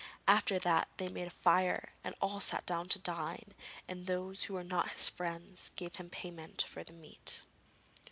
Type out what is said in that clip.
After that they made a fire and all sat down to dine, and those who were not his friends gave him payment for the meat.